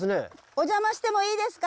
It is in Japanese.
お邪魔してもいいですか？